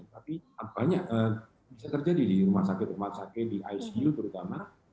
tapi banyak bisa terjadi di rumah sakit rumah sakit di icu terutama